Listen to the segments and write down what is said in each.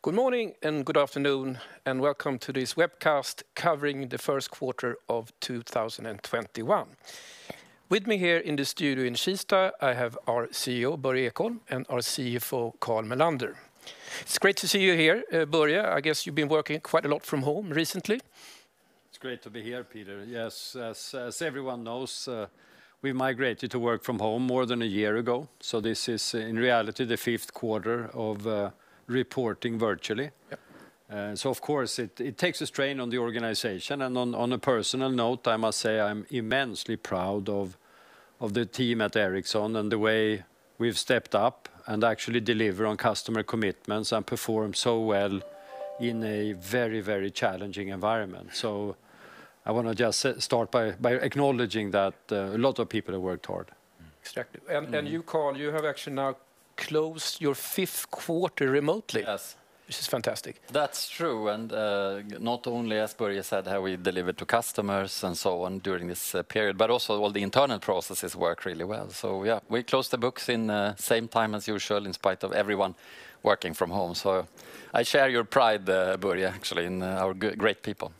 Good morning and good afternoon. Welcome to this webcast covering the first quarter of 2021. With me here in the studio in Kista, I have our CEO, Börje Ekholm, and our CFO, Carl Mellander. It's great to see you here, Börje. I guess you've been working quite a lot from home recently. It's great to be here, Peter. As everyone knows, we migrated to work from home more than a year ago, so this is in reality the fifth quarter of reporting virtually. Yep. Of course, it takes a strain on the organization and on a personal note, I must say I'm immensely proud of the team at Ericsson and the way we've stepped up and actually deliver on customer commitments and perform so well in a very challenging environment. I want to just start by acknowledging that a lot of people have worked hard. Exactly. You, Carl, you have actually now closed your fifth quarter remotely. Yes. Which is fantastic. That's true, and not only, as Börje said, have we delivered to customers and so on during this period, but also all the internal processes work really well. Yeah, we closed the books in the same time as usual, in spite of everyone working from home. I share your pride, Börje, actually, in our great people.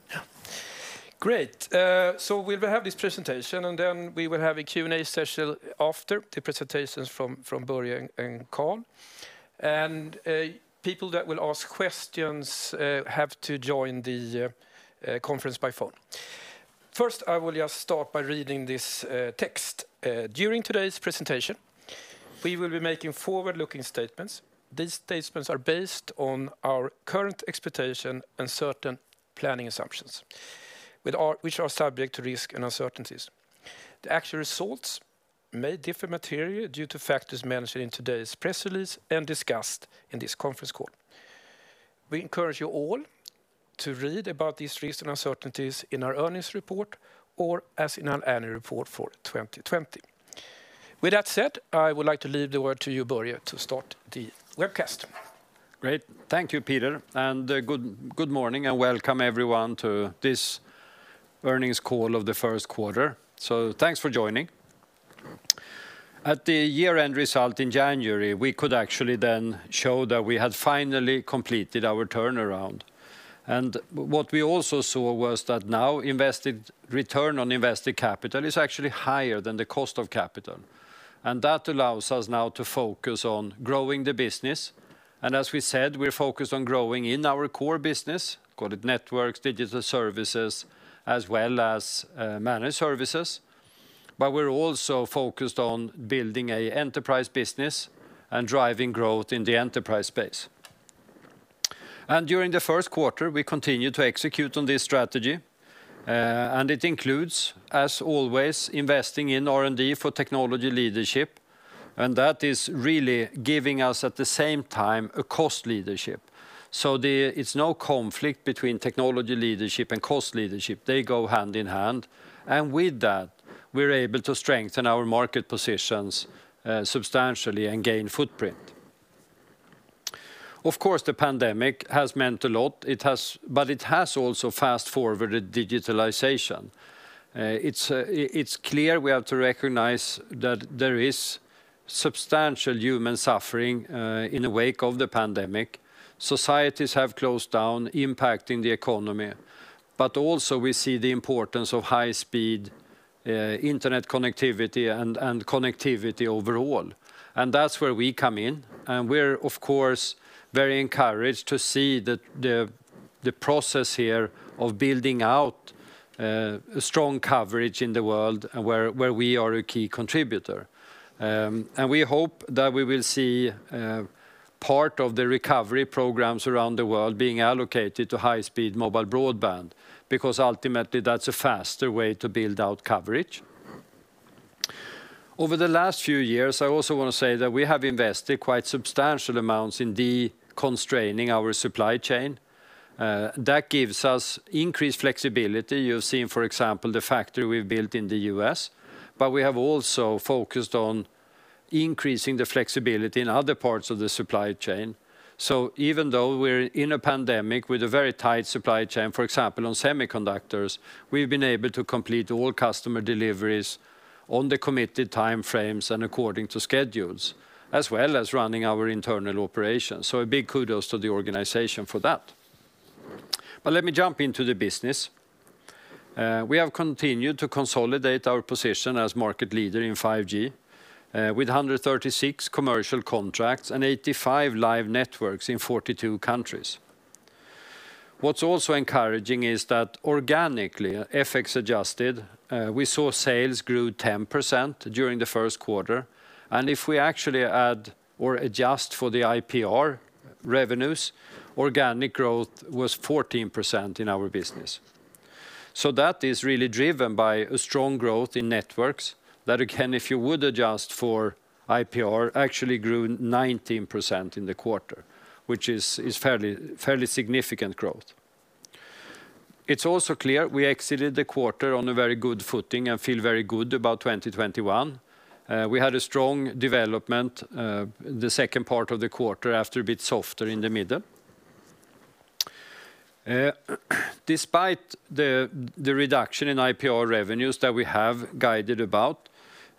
Yeah. Great. We'll have this presentation and then we will have a Q&A session after the presentations from Börje and Carl. People that will ask questions have to join the conference by phone. First, I will just start by reading this text. During today's presentation, we will be making forward-looking statements. These statements are based on our current expectation and certain planning assumptions, which are subject to risk and uncertainties. The actual results may differ materially due to factors mentioned in today's press release and discussed in this conference call. We encourage you all to read about these risks and uncertainties in our earnings report or as in our annual report for 2020. With that said, I would like to leave the word to you, Börje, to start the webcast. Great. Thank you, Peter, and good morning and welcome, everyone, to this earnings call of the first quarter. Thanks for joining. At the year-end result in January, we could actually then show that we had finally completed our turnaround. What we also saw was that now return on invested capital is actually higher than the cost of capital. That allows us now to focus on growing the business. As we said, we're focused on growing in our core business, call it Networks, Digital Services, as well as Managed Services, but we're also focused on building an enterprise business and driving growth in the enterprise space. During the first quarter, we continued to execute on this strategy. It includes, as always, investing in R&D for technology leadership, and that is really giving us, at the same time, a cost leadership. It's no conflict between technology leadership and cost leadership. They go hand in hand. With that, we're able to strengthen our market positions substantially and gain footprint. Of course, the pandemic has meant a lot, but it has also fast-forwarded digitalization. It's clear we have to recognize that there is substantial human suffering in the wake of the pandemic. Societies have closed down, impacting the economy. Also we see the importance of high-speed internet connectivity and connectivity overall. That's where we come in. We're, of course, very encouraged to see the process here of building out strong coverage in the world where we are a key contributor. We hope that we will see part of the recovery programs around the world being allocated to high-speed mobile broadband, because ultimately that's a faster way to build out coverage. Over the last few years, I also want to say that we have invested quite substantial amounts in deconstraining our supply chain. That gives us increased flexibility. You've seen, for example, the factory we've built in the U.S., we have also focused on increasing the flexibility in other parts of the supply chain. Even though we're in a pandemic with a very tight supply chain, for example, on semiconductors, we've been able to complete all customer deliveries on the committed time frames and according to schedules, as well as running our internal operations. A big kudos to the organization for that. Let me jump into the business. We have continued to consolidate our position as market leader in 5G, with 136 commercial contracts and 85 live networks in 42 countries. What's also encouraging is that organically, FX adjusted, we saw sales grew 10% during the first quarter. If we actually add or adjust for the IPR revenues, organic growth was 14% in our business. That is really driven by a strong growth in Networks that, again, if you would adjust for IPR, actually grew 19% in the quarter, which is fairly significant growth. It's also clear we exited the quarter on a very good footing and feel very good about 2021. We had a strong development the second part of the quarter after a bit softer in the middle. Despite the reduction in IPR revenues that we have guided about,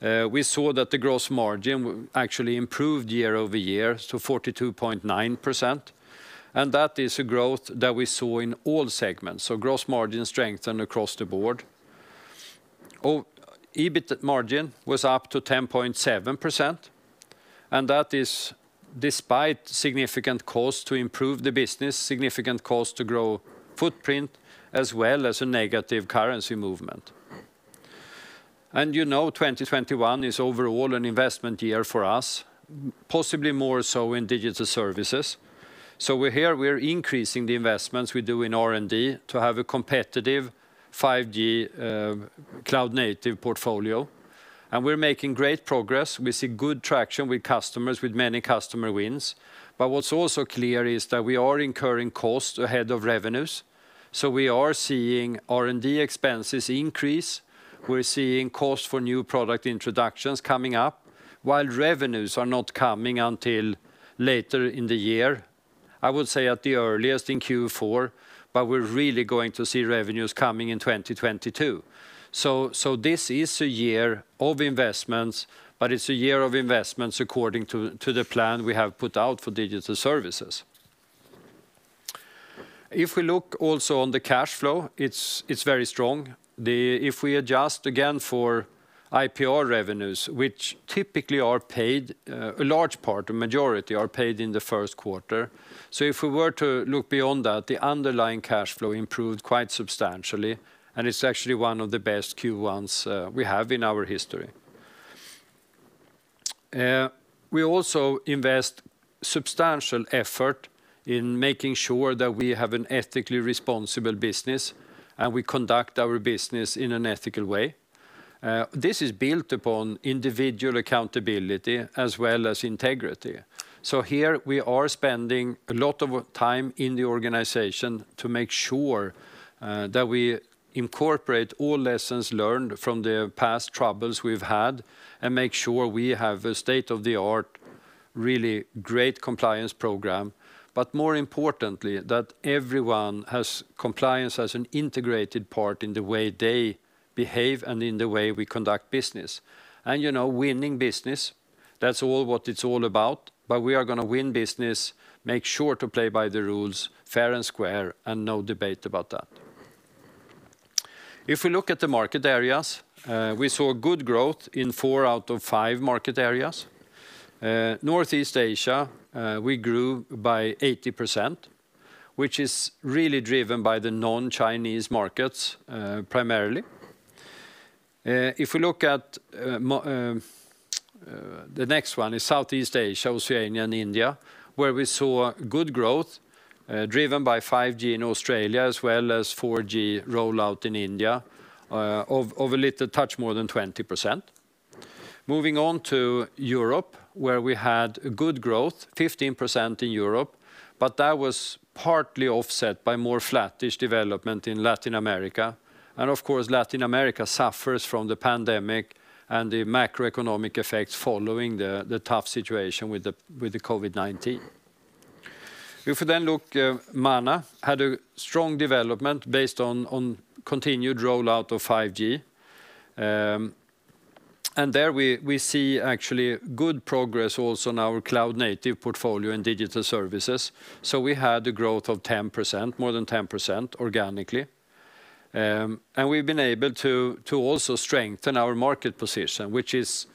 we saw that the gross margin actually improved year-over-year to 42.9%. That is a growth that we saw in all segments. Gross margin strengthened across the board. EBIT margin was up to 10.7%, that is despite significant costs to improve the business, significant costs to grow footprint, as well as a negative currency movement. You know, 2021 is overall an investment year for us, possibly more so in Digital Services. Here, we're increasing the investments we do in R&D to have a competitive 5G cloud-native portfolio. We're making great progress. We see good traction with customers, with many customer wins. What's also clear is that we are incurring costs ahead of revenues. We are seeing R&D expenses increase. We're seeing costs for new product introductions coming up while revenues are not coming until later in the year. I would say at the earliest in Q4, but we're really going to see revenues coming in 2022. This is a year of investments, but it's a year of investments according to the plan we have put out for Digital Services. If we look also on the cash flow, it's very strong. If we adjust again for IPR revenues, which typically are paid, a large part, a majority are paid in the first quarter. If we were to look beyond that, the underlying cash flow improved quite substantially, and it's actually one of the best Q1s we have in our history. We also invest substantial effort in making sure that we have an ethically responsible business and we conduct our business in an ethical way. This is built upon individual accountability as well as integrity. Here we are spending a lot of time in the organization to make sure that we incorporate all lessons learned from the past troubles we've had and make sure we have a state-of-the-art, really great compliance program, but more importantly, that everyone has compliance as an integrated part in the way they behave and in the way we conduct business. Winning business, that's what it's all about. We are going to win business, make sure to play by the rules fair and square, and no debate about that. If we look at the market areas, we saw good growth in four out of five market areas. Northeast Asia, we grew by 80%, which is really driven by the non-Chinese markets, primarily. We look at the next one is Southeast Asia, Oceania, and India, where we saw good growth, driven by 5G in Australia, as well as 4G rollout in India, of a little touch more than 20%. Moving on to Europe, where we had good growth, 15% in Europe, but that was partly offset by more flattish development in Latin America. Of course, Latin America suffers from the pandemic and the macroeconomic effects following the tough situation with the COVID-19. We then look, MANA had a strong development based on continued rollout of 5G. There we see actually good progress also in our cloud-native portfolio and Digital Services. We had a growth of 10%, more than 10% organically. We've been able to also strengthen our market position, which is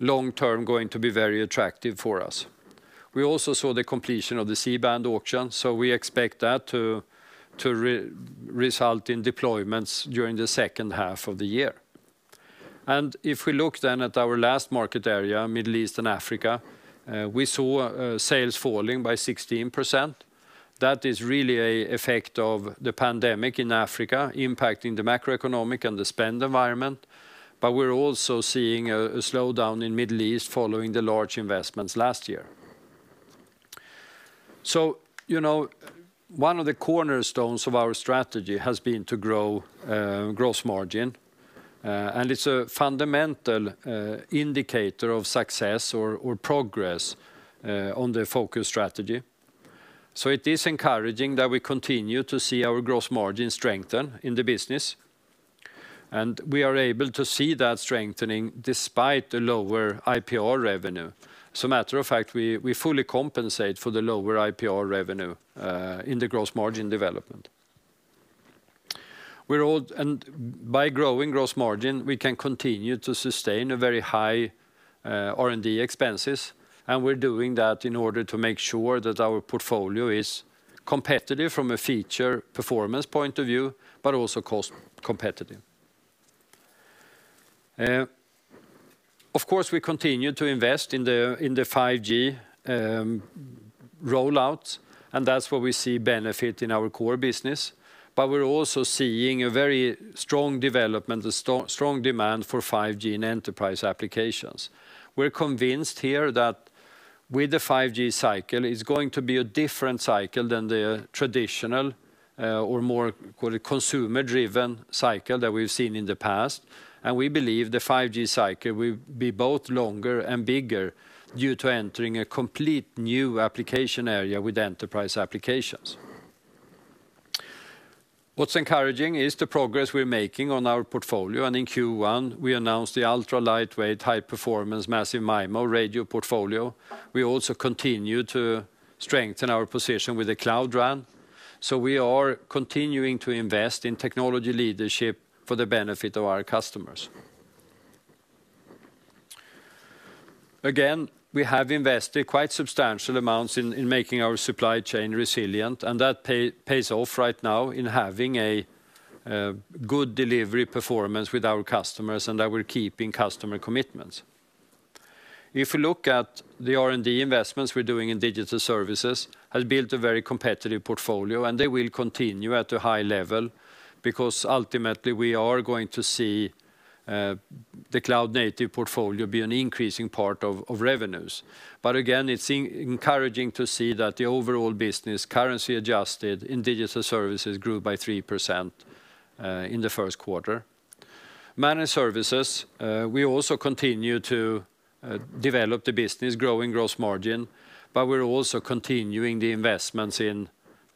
long-term going to be very attractive for us. We also saw the completion of the C-band auction, so we expect that to result in deployments during the second half of the year. If we look then at our last market area, Middle East and Africa, we saw sales falling by 16%. That is really a effect of the pandemic in Africa impacting the macroeconomic and the spend environment. We're also seeing a slowdown in Middle East following the large investments last year. One of the cornerstones of our strategy has been to grow gross margin, and it's a fundamental indicator of success or progress on the focus strategy. It is encouraging that we continue to see our gross margin strengthen in the business, and we are able to see that strengthening despite lower IPR revenue. As a matter of fact, we fully compensate for Dell'Oro IPR revenue in the gross margin development. By growing gross margin, we can continue to sustain a very high R&D expenses, and we're doing that in order to make sure that our portfolio is competitive from a feature performance point of view, but also cost competitive. Of course, we continue to invest in the 5G rollouts, and that's where we see benefit in our core business. We're also seeing a very strong development, a strong demand for 5G in enterprise applications. We're convinced here that with the 5G cycle, it's going to be a different cycle than the traditional, or more consumer-driven cycle that we've seen in the past. We believe the 5G cycle will be both longer and bigger due to entering a complete new application area with enterprise applications. What's encouraging is the progress we're making on our portfolio, and in Q1, we announced the ultra-lightweight, high-performance Massive MIMO radio portfolio. We also continue to strengthen our position with the Cloud RAN. We are continuing to invest in technology leadership for the benefit of our customers. Again, we have invested quite substantial amounts in making our supply chain resilient, and that pays off right now in having a good delivery performance with our customers and that we're keeping customer commitments. If you look at the R&D investments we're doing in Digital Services, has built a very competitive portfolio, and they will continue at a high level because ultimately we are going to see the cloud-native portfolio be an increasing part of revenues. Again, it's encouraging to see that the overall business, currency adjusted in Digital Services, grew by 3% in the first quarter. Managed Services. We also continue to develop the business, growing gross margin, but we're also continuing the investments in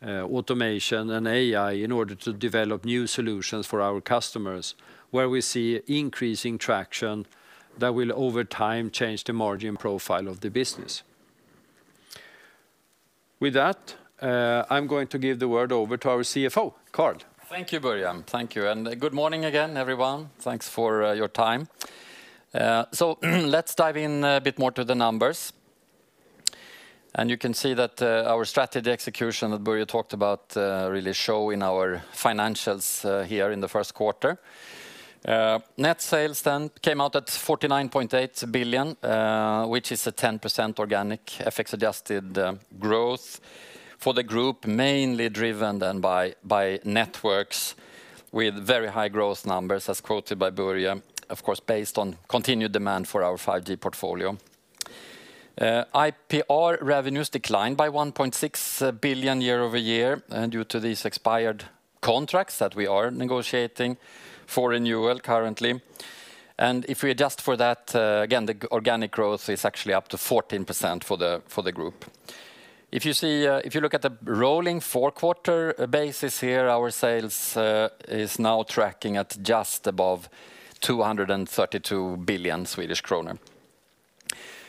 automation and AI in order to develop new solutions for our customers, where we see increasing traction that will, over time, change the margin profile of the business. With that, I'm going to give the word over to our CFO, Carl. Thank you, Börje. Thank you. Good morning again, everyone. Thanks for your time. Let's dive in a bit more to the numbers. You can see that our strategy execution that Börje talked about really show in our financials here in the first quarter. Net sales then came out at 49.8 billion, which is a 10% organic FX-adjusted growth for the group, mainly driven then by Networks with very high growth numbers, as quoted by Börje, of course, based on continued demand for our 5G portfolio. IPR revenues declined by 1.6 billion year-over-year due to these expired contracts that we are negotiating for renewal currently. If we adjust for that, again, the organic growth is actually up to 14% for the group. If you look at the rolling four-quarter basis here, our sales is now tracking at just above 232 billion Swedish kronor.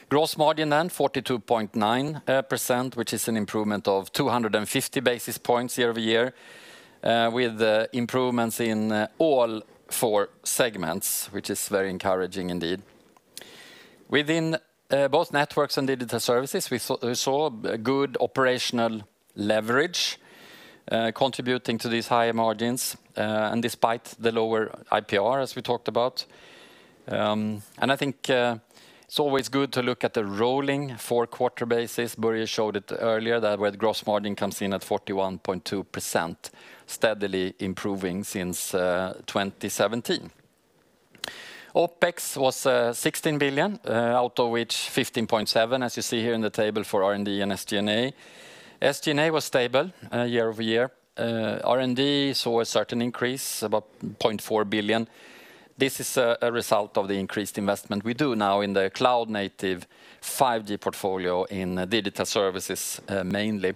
Gross margin, 42.9%, which is an improvement of 250 basis points year-over-year, with improvements in all four segments, which is very encouraging indeed. Within both Networks and Digital Services, we saw a good operational leverage contributing to these higher margins, and despite the lower IPR, as we talked about. I think it's always good to look at the rolling four-quarter basis. Börje showed it earlier that where the gross margin comes in at 41.2%, steadily improving since 2017. OpEx was 16 billion, out of which 15.7, as you see here in the table for R&D and SG&A. SG&A was stable year-over-year. R&D saw a certain increase, about 0.4 billion. This is a result of the increased investment we do now in the cloud-native 5G portfolio in Digital Services, mainly.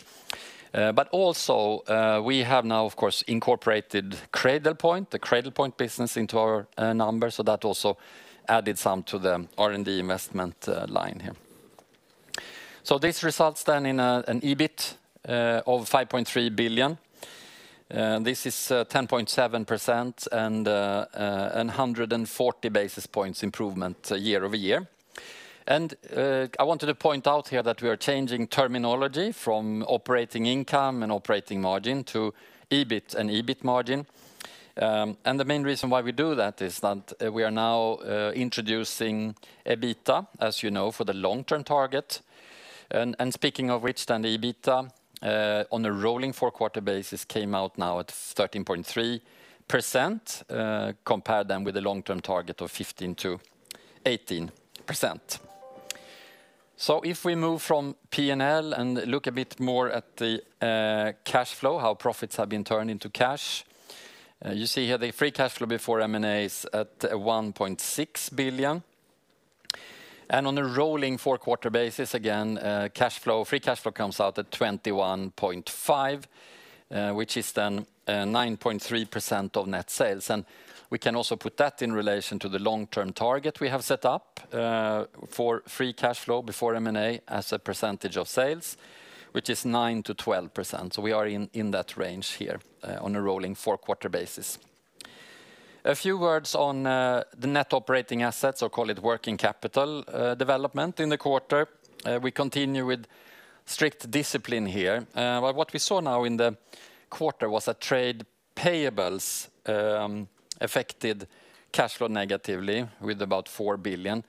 We have now, of course, incorporated the Cradlepoint business into our numbers, so that also added some to the R&D investment line here. These results stand in an EBIT of 5.3 billion. This is 10.7% and 140 basis points improvement year-over-year. I wanted to point out here that we are changing terminology from operating income and operating margin to EBIT and EBIT margin. The main reason why we do that is that we are now introducing EBITDA, as you know, for the long-term target. Speaking of which, EBITDA on a rolling four-quarter basis came out now at 13.3%, compare them with the long-term target of 15%-18%. If we move from P&L and look a bit more at the cash flow, how profits have been turned into cash. You see here the free cash flow before M&A is at 1.6 billion. On a rolling four-quarter basis, again, free cash flow comes out at 21.5 billion, which is then 9.3% of net sales. We can also put that in relation to the long-term target we have set up for free cash flow before M&A as a percentage of sales, which is 9%-12%. We are in that range here on a rolling four-quarter basis. A few words on the net operating assets, or call it working capital development in the quarter. We continue with strict discipline here. What we saw now in the quarter was that trade payables affected cash flow negatively with about 4 billion.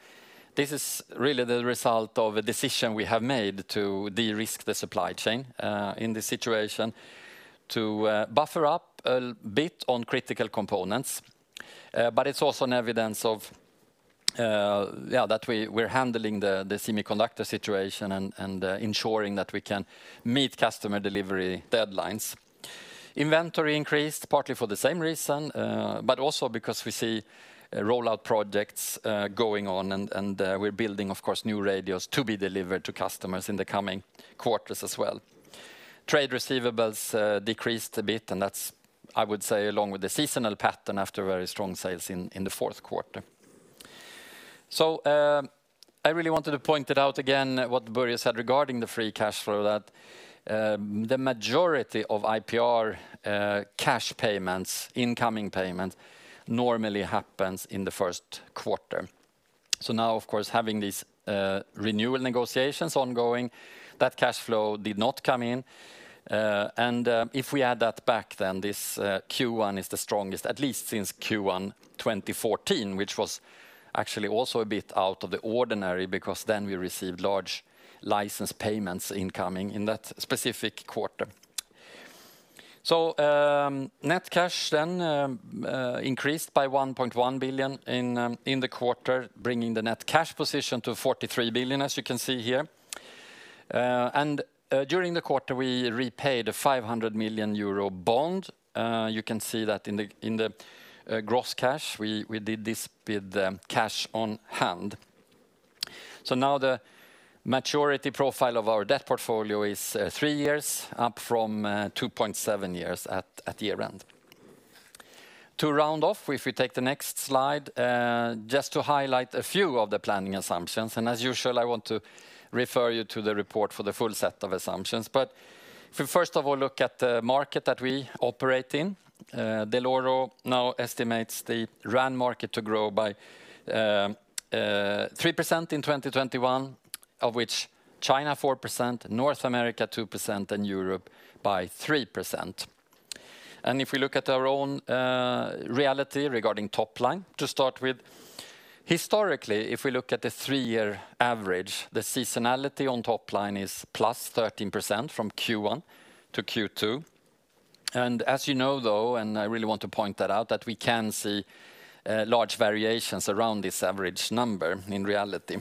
This is really the result of a decision we have made to de-risk the supply chain in this situation to buffer up a bit on critical components. It's also an evidence of that we're handling the semiconductor situation and ensuring that we can meet customer delivery deadlines. Inventory increased partly for the same reason, but also because we see rollout projects going on, and we're building, of course, new radios to be delivered to customers in the coming quarters as well. Trade receivables decreased a bit, and that's, I would say, along with the seasonal pattern after very strong sales in the fourth quarter. I really wanted to point it out again what Börje said regarding the free cash flow, that the majority of IPR cash payments, incoming payment, normally happens in the first quarter. Now, of course, having these renewal negotiations ongoing, that cash flow did not come in. If we add that back then, this Q1 is the strongest, at least since Q1 2014, which was actually also a bit out of the ordinary because then we received large license payments incoming in that specific quarter. Net cash then increased by 1.1 billion in the quarter, bringing the net cash position to 43 billion, as you can see here. During the quarter, we repaid a 500 million euro bond. You can see that in the gross cash. We did this with the cash on hand. Now the maturity profile of our debt portfolio is three years, up from 2.7 years at year-end. To round off, if we take the next slide, just to highlight a few of the planning assumptions. As usual, I want to refer you to the report for the full set of assumptions. If we first of all look at the market that we operate in, Dell'Oro now estimates the RAN market to grow by 3% in 2021, of which China 4%, North America 2%, and Europe by 3%. If we look at our own reality regarding top line to start with, historically, if we look at the three-year average, the seasonality on top line is +13% from Q1 to Q2. As you know, though, and I really want to point that out, that we can see large variations around this average number in reality.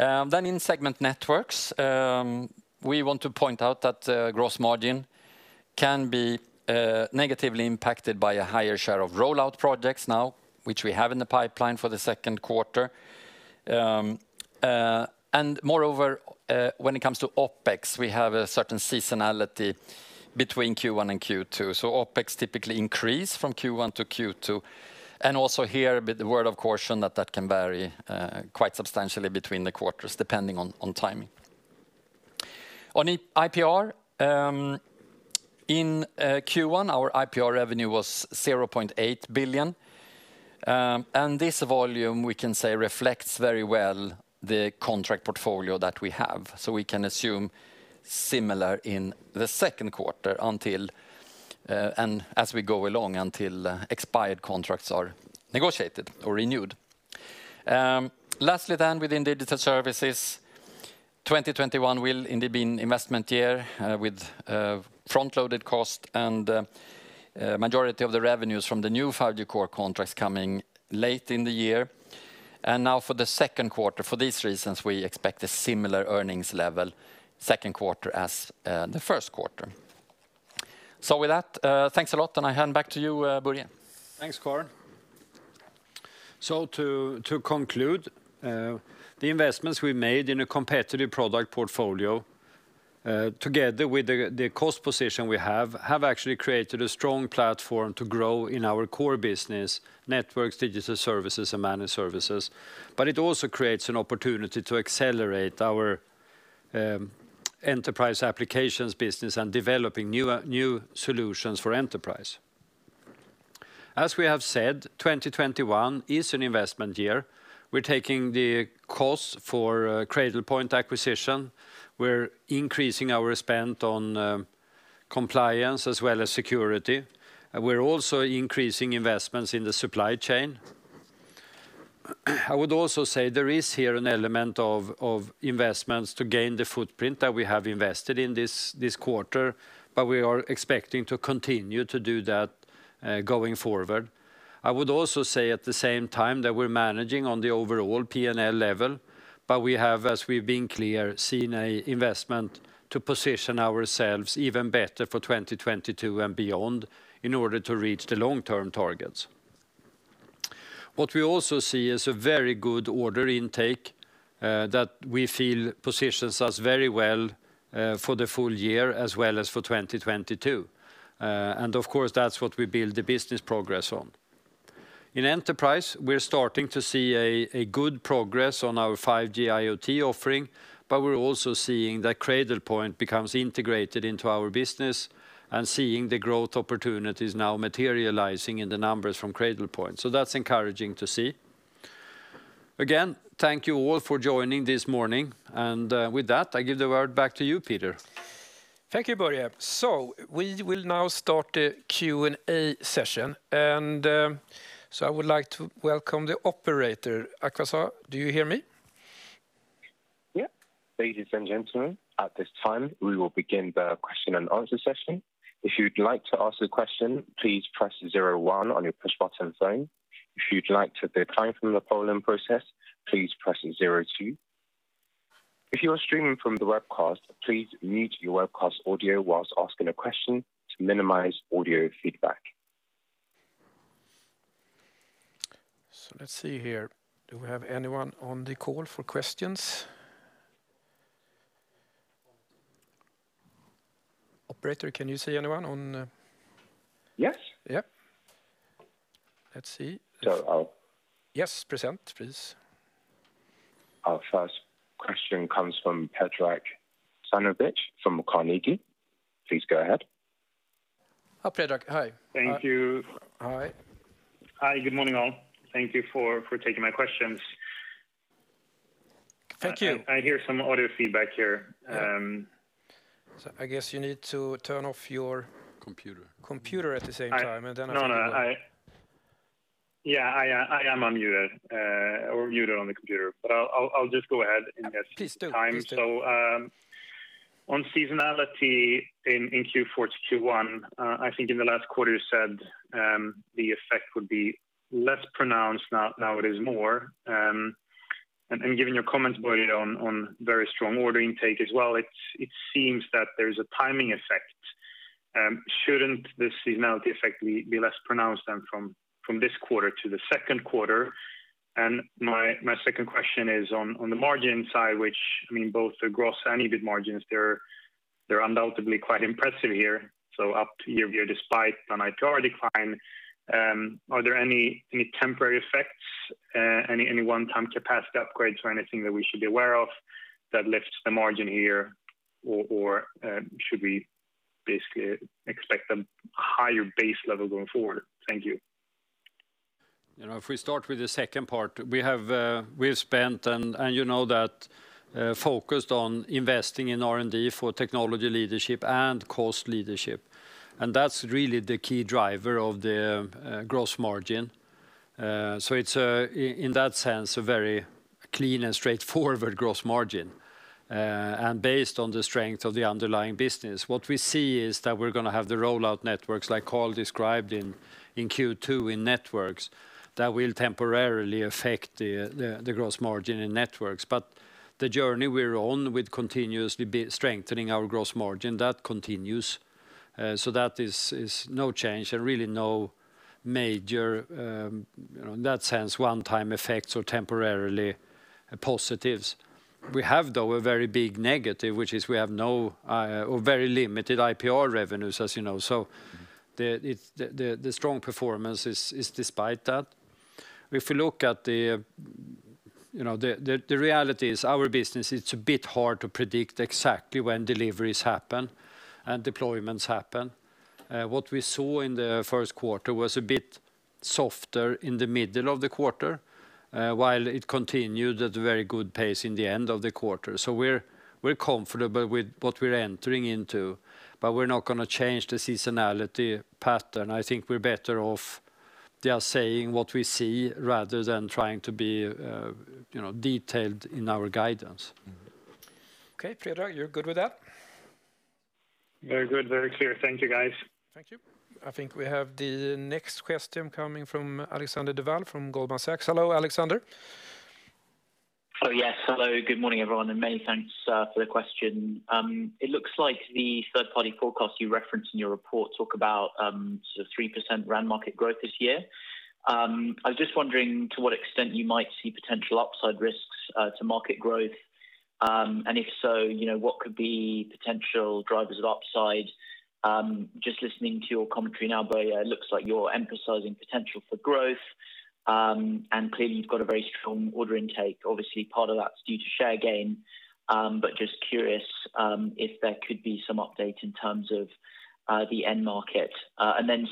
In segment Networks, we want to point out that gross margin can be negatively impacted by a higher share of rollout projects now, which we have in the pipeline for the second quarter. Moreover, when it comes to OpEx, we have a certain seasonality between Q1 and Q2. OpEx typically increase from Q1 to Q2. Also here a bit the word of caution that that can vary quite substantially between the quarters depending on timing. IPR, in Q1, our IPR revenue was 0.8 billion. This volume we can say reflects very well the contract portfolio that we have. We can assume similar in the second quarter as we go along until expired contracts are negotiated or renewed. Lastly, within Digital Services, 2021 will indeed be an investment year with front-loaded cost majority of the revenues from the new 5G core contracts coming late in the year. Now for the second quarter, for these reasons, we expect a similar earnings level second quarter as the first quarter. With that, thanks a lot, I hand back to you, Börje. Thanks, Carl. To conclude, the investments we made in a competitive product portfolio, together with the cost position we have actually created a strong platform to grow in our core business: Networks, Digital Services, and Managed Services. It also creates an opportunity to accelerate our enterprise applications business and developing new solutions for enterprise. As we have said, 2021 is an investment year. We're taking the costs for Cradlepoint acquisition. We're increasing our spend on compliance as well as security. We're also increasing investments in the supply chain. I would also say there is here an element of investments to gain the footprint that we have invested in this quarter, but we are expecting to continue to do that going forward. I would also say at the same time that we're managing on the overall P&L level, but we have, as we've been clear, seen an investment to position ourselves even better for 2022 and beyond in order to reach the long-term targets. What we also see is a very good order intake that we feel positions us very well for the full year as well as for 2022. Of course, that's what we build the business progress on. In enterprise, we're starting to see a good progress on our 5G IoT offering, but we're also seeing that Cradlepoint becomes integrated into our business and seeing the growth opportunities now materializing in the numbers from Cradlepoint. That's encouraging to see. Again, thank you all for joining this morning. With that, I give the word back to you, Peter. Thank you, Börje. We will now start the Q&A session. I would like to welcome the operator. Akasa, do you hear me? Yeah. Ladies and gentlemen, at this time, we will begin the question and answer session. If you'd like to ask a question, please press zero one on your push button phone. If you'd like to decline from the polling process, please press zero two. If you are streaming from the webcast, please mute your webcast audio while asking a question to minimize audio feedback. Let's see here. Do we have anyone on the call for questions? Operator, can you see anyone? Yes. Yeah. Let's see. So I'll- Yes. Present, please. Our first question comes from Predrag Savinovic from Carnegie. Please go ahead. Hi, Predrag. Hi. Thank you. Hi. Hi. Good morning, all. Thank Thank you for taking my questions. Thank you. I hear some audio feedback here. I guess you need to turn off your. Computer computer at the same time, and then I think it will. No, I am unmuted, or muted on the computer. I'll just go ahead and guess. Please do. On seasonality in Q4 to Q1, I think in the last quarter you said, the effect would be less pronounced, now it is more. Given your comments about it on very strong order intake as well, it seems that there's a timing effect. Shouldn't the seasonality effect be less pronounced than from this quarter to the second quarter? My second question is on the margin side, which, both the gross and EBIT margins, they're undoubtedly quite impressive here, up year-over-year despite an IPR decline. Are there any temporary effects, any one-time capacity upgrades or anything that we should be aware of that lifts the margin here? Should we basically expect a higher base level going forward? Thank you. If we start with the second part, we've spent, and you know that, focused on investing in R&D for technology leadership and cost leadership, and that's really the key driver of the gross margin. It's, in that sense, a very clean and straightforward gross margin. Based on the strength of the underlying business, what we see is that we're going to have the rollout Networks like Carl described in Q2 in Networks that will temporarily affect the gross margin in Networks. The journey we are on with continuously strengthening our gross margin, that continues. That is no change and really no major, in that sense, one-time effects or temporarily positives. We have, though, a very big negative, which is we have very limited IPR revenues, as you know. The strong performance is despite that. The reality is our business, it's a bit hard to predict exactly when deliveries happen and deployments happen. What we saw in the first quarter was a bit softer in the middle of the quarter, while it continued at a very good pace in the end of the quarter. We're comfortable with what we're entering into, but we're not going to change the seasonality pattern. I think we're better off just saying what we see rather than trying to be detailed in our guidance. Okay. Predrag, you're good with that? Very good. Very clear. Thank you, guys. Thank you. I think we have the next question coming from Alexander Duval from Goldman Sachs. Hello, Alexander. Oh, yes. Hello, good morning, everyone, many thanks for the question. It looks like the third-party forecast you referenced in your report talk about 3% RAN market growth this year. I was just wondering to what extent you might see potential upside risks to market growth. If so, what could be potential drivers of upside? Just listening to your commentary now, Börje, it looks like you're emphasizing potential for growth. Clearly you've got a very strong order intake. Obviously, part of that's due to share gain. Just curious if there could be some update in terms of the end market.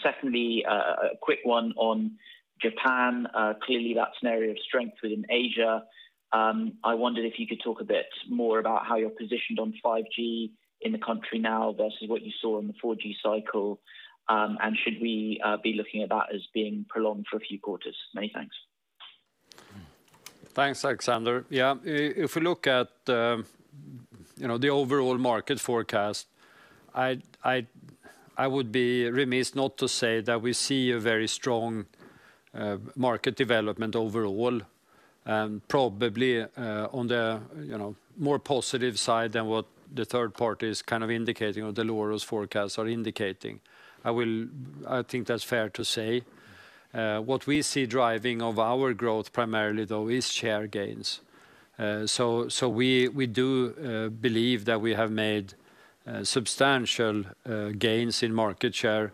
Secondly, a quick one on Japan. Clearly that's an area of strength within Asia. I wondered if you could talk a bit more about how you're positioned on 5G in the country now versus what you saw in the 4G cycle. Should we be looking at that as being prolonged for a few quarters? Many thanks. Thanks, Alexander. Yeah. If we look at the overall market forecast, I would be remiss not to say that we see a very strong market development overall, and probably on the more positive side than what the third party is indicating or Dell'Oro's forecasts are indicating. I think that's fair to say. What we see driving of our growth primarily, though, is share gains. We do believe that we have made substantial gains in market share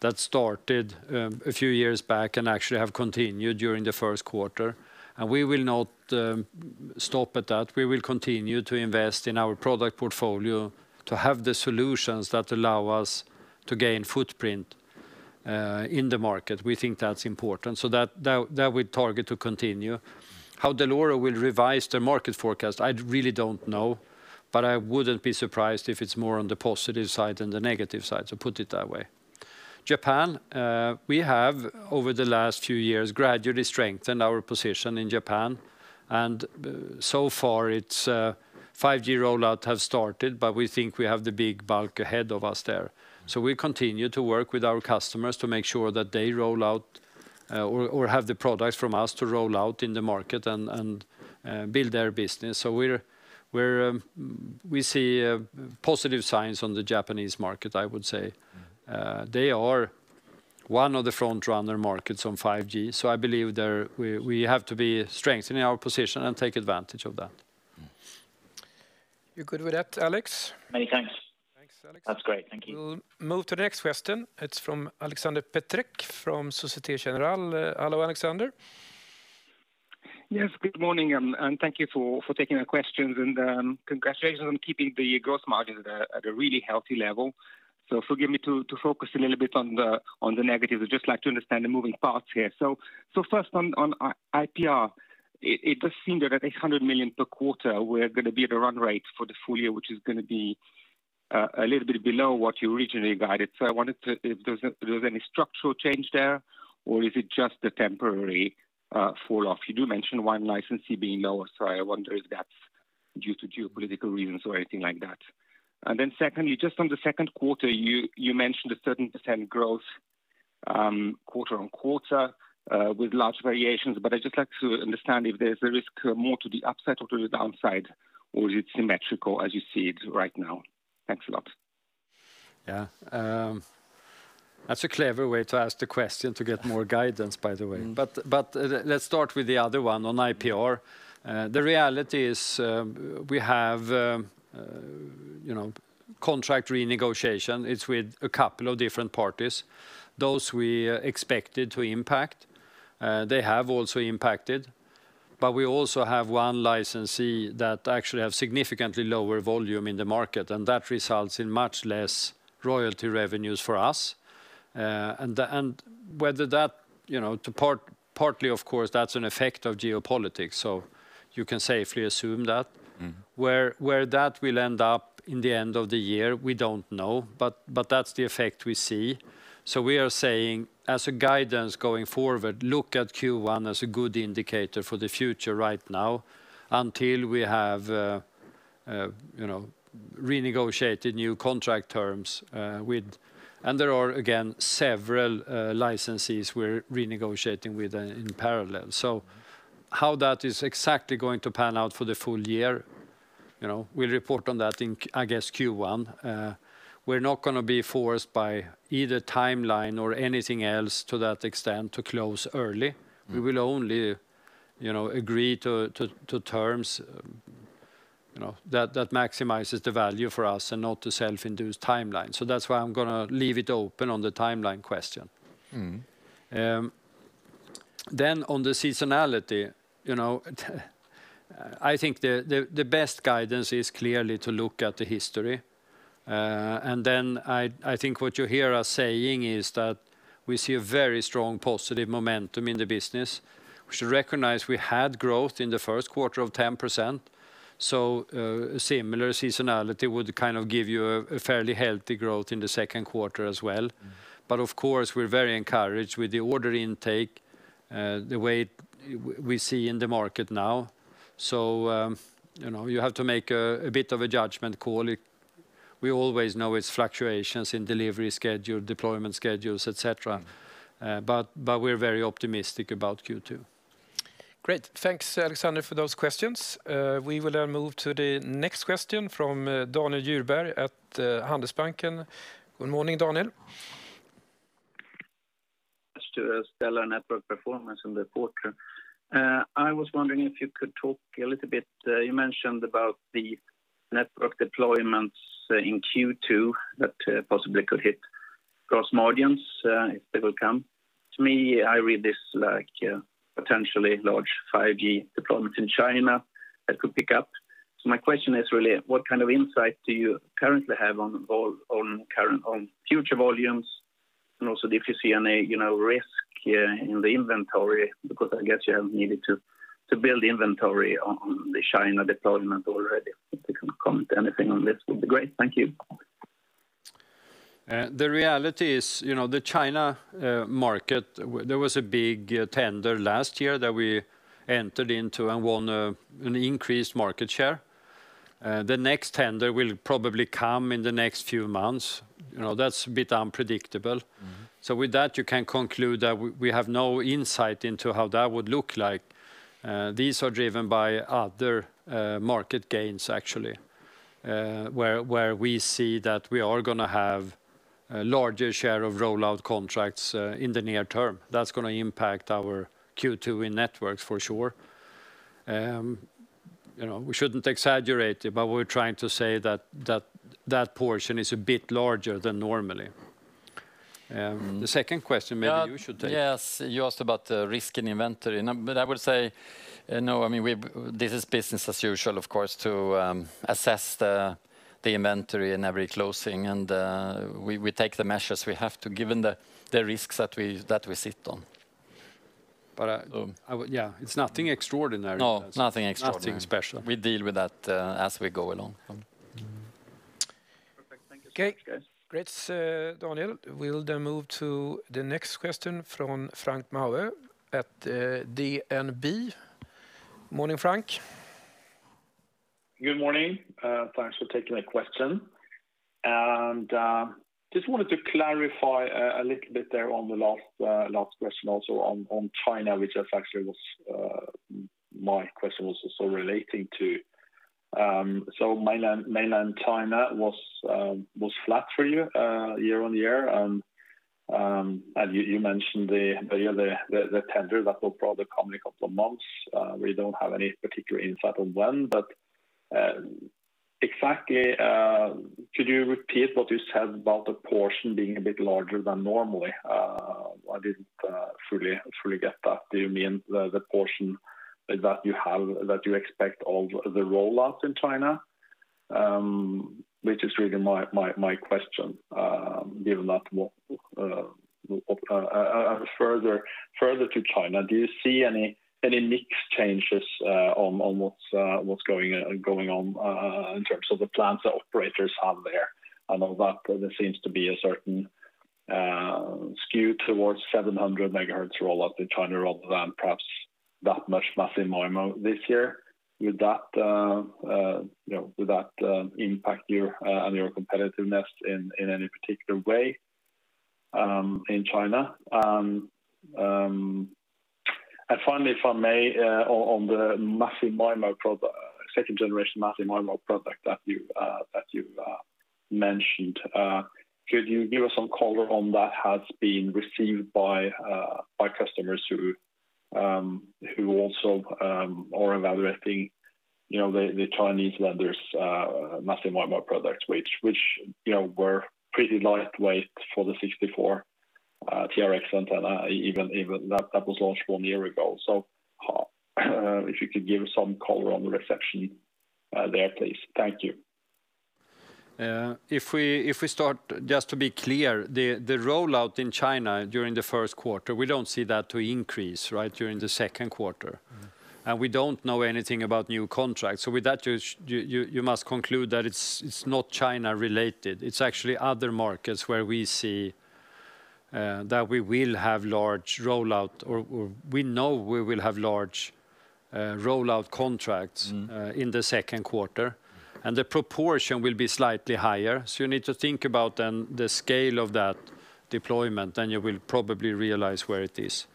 that started a few years back and actually have continued during the first quarter. We will not stop at that. We will continue to invest in our product portfolio to have the solutions that allow us to gain footprint in the market. We think that's important. That we target to continue. How Dell'Oro we'll revise the market forecast, I really don't know, but I wouldn't be surprised if it's more on the positive side than the negative side, so put it that way. Japan. We have, over the last few years, gradually strengthened our position in Japan, and so far its 5G rollout have started, but we think we have the big bulk ahead of us there. We continue to work with our customers to make sure that they roll out or have the products from us to roll out in the market and build their business. We see positive signs on the Japanese market, I would say. They are one of the frontrunner markets on 5G. I believe we have to be strengthening our position and take advantage of that. You good with that, Alex? Many thanks. Thanks, Alex. That's great. Thank you. We'll move to the next question. It's from Aleksander Peterc from Societe Generale. Hello, Aleksander. Yes, good morning, and thank you for taking the questions, and congratulations on keeping the growth margins at a really healthy level. Forgive me to focus a little bit on the negatives. I'd just like to understand the moving parts here. First on IPR, it does seem that at 800 million per quarter, we're going to be at a run rate for the full year, which is going to be a little bit below what you originally guided. I wanted to If there's any structural change there, or is it just a temporary fall-off? You do mention one licensee being lower, I wonder if that's due to geopolitical reasons or anything like that. Secondly, just on the second quarter, you mentioned a 13% growth quarter-on-quarter with large variations. I'd just like to understand if there's a risk more to the upside or to the downside, or is it symmetrical as you see it right now? Thanks a lot. Yeah. That's a clever way to ask the question to get more guidance, by the way. Let's start with the other one on IPR. The reality is we have contract renegotiation. It's with a couple of different parties. Those we expected to impact, they have also impacted. We also have one licensee that actually have significantly lower volume in the market, and that results in much less royalty revenues for us. Partly, of course, that's an effect of geopolitics, so you can safely assume that. Where that will end up in the end of the year, we don't know, but that's the effect we see. We are saying, as a guidance going forward, look at Q1 as a good indicator for the future right now until we have renegotiated new contract terms with. There are, again, several licensees we're renegotiating with in parallel. How that is exactly going to pan out for the full year, we'll report on that in, I guess, Q1. We're not going to be forced by either timeline or anything else to that extent to close early. We will only agree to terms that maximizes the value for us and not the self-induced timeline. That's why I'm going to leave it open on the timeline question. On the seasonality, I think the best guidance is clearly to look at the history. I think what you hear us saying is that we see a very strong positive momentum in the business. We should recognize we had growth in the first quarter of 10%, so a similar seasonality would give you a fairly healthy growth in the second quarter as well. Of course, we're very encouraged with the order intake, the way we see in the market now. You have to make a bit of a judgment call. We always know it's fluctuations in delivery schedule, deployment schedules, et cetera. We're very optimistic about Q2. Great. Thanks, Alexander, for those questions. We will now move to the next question from Daniel Djurberg at Handelsbanken. Good morning, Daniel. Thanks to stellar network performance in the quarter. I was wondering if you could talk a little bit, you mentioned about the network deployments in Q2 that possibly could hit gross margins if they will come. To me, I read this like potentially large 5G deployment in China that could pick up. My question is really what kind of insight do you currently have on future volumes? Also if you see any risk in the inventory, because I guess you have needed to build inventory on the China deployment already. If you can comment anything on this, would be great. Thank you. The reality is the China market, there was a big tender last year that we entered into and won an increased market share. The next tender will probably come in the next few months. That's a bit unpredictable. With that, you can conclude that we have no insight into how that would look like. These are driven by other market gains, actually, where we see that we are going to have a larger share of rollout contracts in the near term. That's going to impact our Q2 in Networks for sure. We shouldn't exaggerate it, but we're trying to say that that portion is a bit larger than normally. The second question, maybe you should take. Yes. You asked about the risk in inventory. I would say, no, this is business as usual, of course, to assess the inventory in every closing, and we take the measures we have to given the risks that we sit on. Yeah. It's nothing extraordinary. No, nothing extraordinary. Nothing special. We deal with that as we go along. Perfect. Thank you so much, guys. Okay. Great, Daniel. We'll then move to the next question from Frank Maaø at DNB. Morning, Frank. Good morning. Thanks for taking the question. Just wanted to clarify a little bit there on the last question also on China. My question was also relating to mainland China was flat for you year-on-year. You mentioned the tender that will probably come in a couple of months. We don't have any particular insight on when. Exactly, could you repeat what you said about the portion being a bit larger than normally? I didn't fully get that. Do you mean the portion that you expect of the rollout in China? Which is really my question given that further to China, do you see any mix changes on what's going on in terms of the plans the operators have there? I know that there seems to be a certain skew towards 700 MHz rollout in China rather than perhaps that much Massive MIMO this year. Would that impact you and your competitiveness in any particular way in China? Finally, if I may, on the second generation Massive MIMO product that you've mentioned, could you give us some color on that has been received by customers who also are evaluating the Chinese vendors' Massive MIMO products, which were pretty lightweight for the 64 TRX antenna, even that was launched one year ago. If you could give some color on the reception there, please. Thank you. If we start, just to be clear, the rollout in China during the first quarter, we don't see that to increase during the second quarter. We don't know anything about new contracts. With that, you must conclude that it's not China related. It's actually other markets where we see that we will have large rollout, or we know we will have large rollout contracts in the second quarter. The proportion will be slightly higher. You need to think about then the scale of that deployment, and you will probably realize where it is.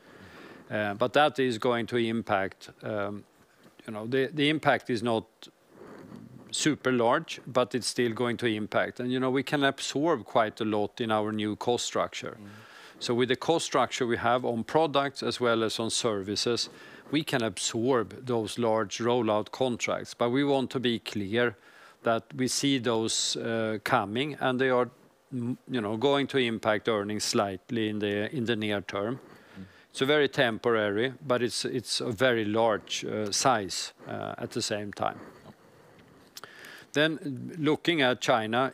That is going to impact. The impact is not super large, but it's still going to impact. We can absorb quite a lot in our new cost structure. With the cost structure we have on products as well as on services, we can absorb those large rollout contracts. We want to be clear that we see those coming, and they are going to impact earnings slightly in the near term. Very temporary, but it's a very large size at the same time. Looking at China,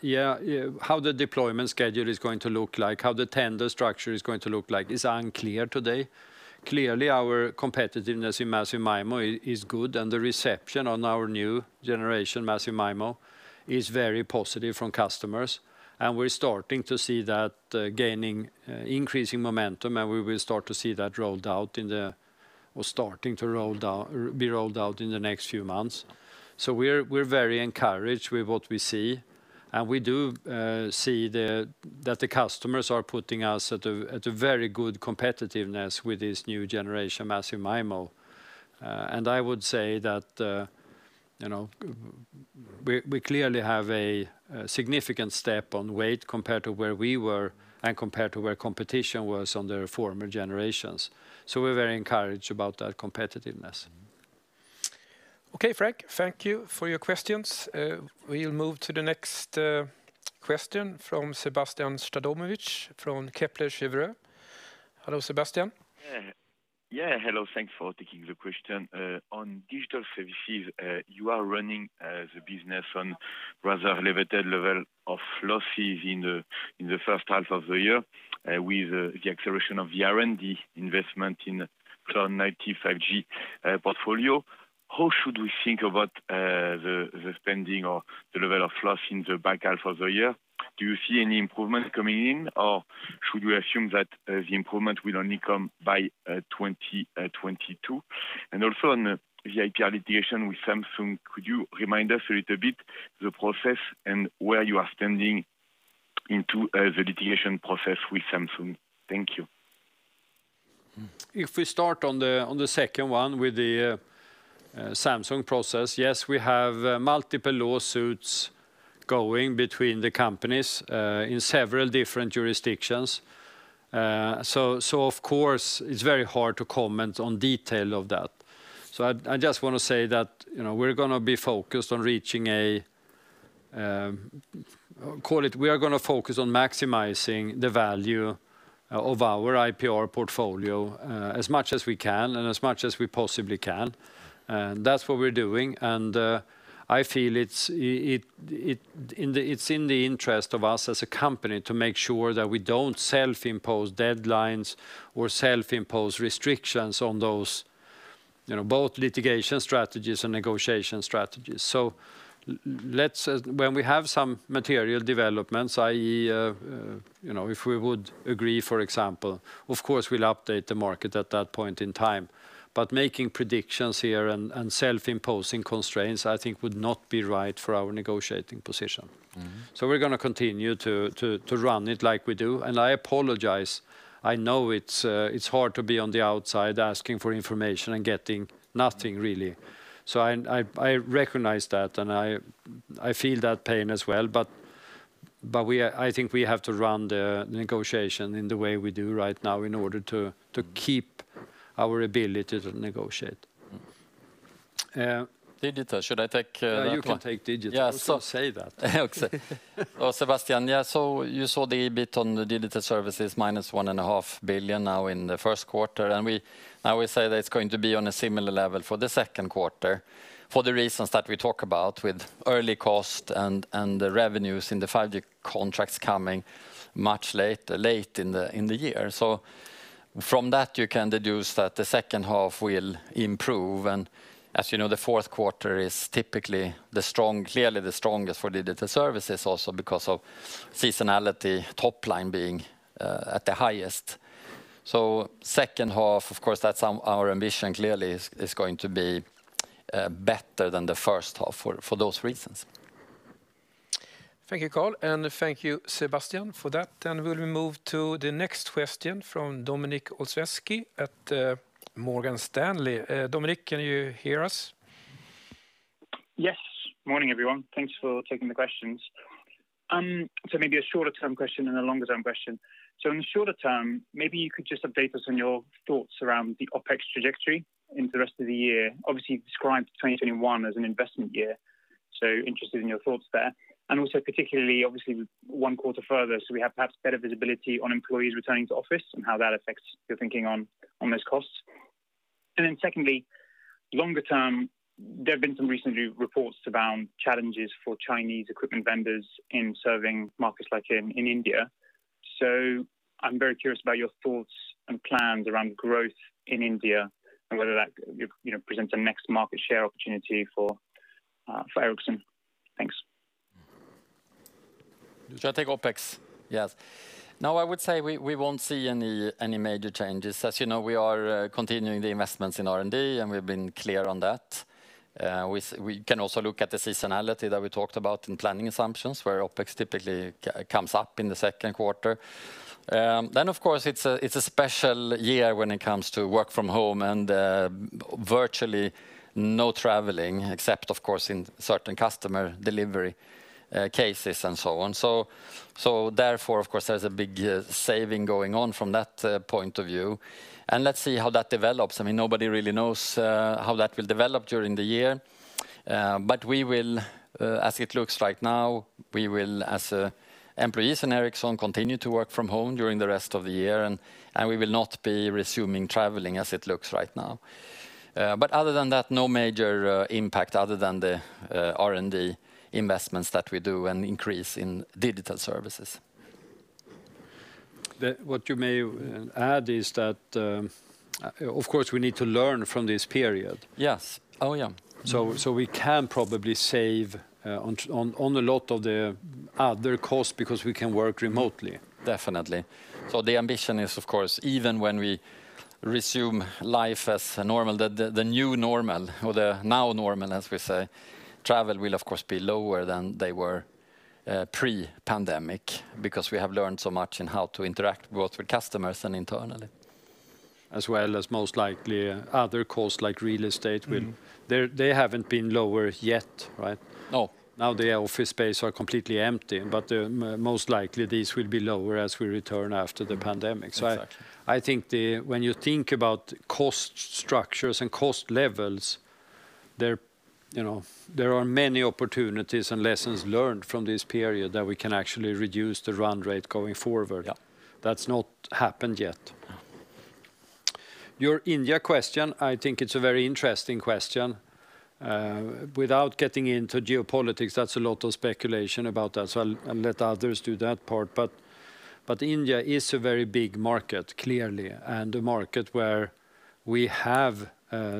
how the deployment schedule is going to look like, how the tender structure is going to look like is unclear today. Clearly, our competitiveness in Massive MIMO is good, and the reception on our new generation Massive MIMO is very positive from customers. We're starting to see that gaining increasing momentum, and we will start to see that rolled out or starting to be rolled out in the next few months. We're very encouraged with what we see, and we do see that the customers are putting us at a very good competitiveness with this new generation Massive MIMO. I would say that we clearly have a significant step on weight compared to where we were and compared to where competition was on their former generations. We're very encouraged about that competitiveness. Okay, Frank, thank you for your questions. We'll move to the next question from Sébastien Sztabowicz from Kepler Cheuvreux. Hello, Sébastien. Yeah, hello. Thanks for taking the question. On Digital Services, you are running the business on rather limited level of losses in the first half of the year with the acceleration of the R&D investment in cloud-native 5G portfolio. How should we think about the spending or the level of loss in the back half of the year? Do you see any improvement coming in, or should we assume that the improvement will only come by 2022? Also on the IPR litigation with Samsung, could you remind us a little bit the process and where you are standing into the litigation process with Samsung? Thank you. If we start on the second one with the Samsung process, yes, we have multiple lawsuits going between the companies in several different jurisdictions. Of course, it's very hard to comment on detail of that. I just want to say that we are going to focus on maximizing the value of our IPR portfolio as much as we can and as much as we possibly can. That's what we're doing, and I feel it's in the interest of us as a company to make sure that we don't self-impose deadlines or self-impose restrictions on those both litigation strategies and negotiation strategies. When we have some material developments, i.e., if we would agree, for example, of course, we'll update the market at that point in time. Making predictions here and self-imposing constraints, I think would not be right for our negotiating position. We're going to continue to run it like we do. I apologize, I know it's hard to be on the outside asking for information and getting nothing really. I recognize that, and I feel that pain as well, but I think we have to run the negotiation in the way we do right now in order to keep our ability to negotiate. Digital. Should I take that one? You can take Digital. Also say that. Okay. Sébastien, you saw the EBIT on the Digital Services minus 1.5 billion now in the first quarter. We say that it's going to be on a similar level for the second quarter for the reasons that we talk about with early cost and the revenues in the five-year contracts coming much late in the year. From that, you can deduce that the second half will improve. As you know, the fourth quarter is typically clearly the strongest for Digital Services also because of seasonality, top line being at the highest. Second half, of course, that's our ambition clearly is going to be better than the first half for those reasons. Thank you, Carl, and thank you, Sébastien, for that. We'll move to the next question from Dominik Olszewski at Morgan Stanley. Dominik, can you hear us? Yes. Morning, everyone. Thanks for taking the questions. Maybe a shorter-term question and a longer-term question. In the shorter term, maybe you could just update us on your thoughts around the OpEx trajectory into the rest of the year. Obviously, you've described 2021 as an investment year. Interested in your thoughts there. Also particularly, obviously, we're one quarter further, we have perhaps better visibility on employees returning to office and how that affects your thinking on those costs. Secondly, longer term, there have been some recent reports around challenges for Chinese equipment vendors in serving markets like in India. I'm very curious about your thoughts and plans around growth in India and whether that presents a next market share opportunity for Ericsson. Thanks. Should I take OpEx? Yes. I would say we won't see any major changes. As you know, we are continuing the investments in R&D, and we've been clear on that. We can also look at the seasonality that we talked about in planning assumptions, where OpEx typically comes up in the second quarter. Of course, it's a special year when it comes to work from home and virtually no traveling, except of course in certain customer delivery cases and so on. Of course, there's a big saving going on from that point of view. Let's see how that develops. Nobody really knows how that will develop during the year. As it looks right now, we will, as employees in Ericsson, continue to work from home during the rest of the year, and we will not be resuming traveling as it looks right now. Other than that, no major impact other than the R&D investments that we do and increase in Digital Services. What you may add is that, of course, we need to learn from this period. Yes. Oh, yeah. We can probably save on a lot of the other costs because we can work remotely. Definitely. The ambition is, of course, even when we resume life as normal, the new normal or the now normal, as we say, travel will, of course, be lower than they were pre-pandemic because we have learned so much in how to interact both with customers and internally. As well as most likely other costs like real estate will. They haven't been lower yet, right? No. Now the office space are completely empty, but most likely these will be lower as we return after the pandemic. Exactly. I think when you think about cost structures and cost levels, there are many opportunities and lessons learned from this period that we can actually reduce the run rate going forward. Yeah. That's not happened yet. Yeah. Your India question, I think it's a very interesting question. Without getting into geopolitics, that's a lot of speculation about that, so I'll let others do that part. India is a very big market, clearly, and a market where we have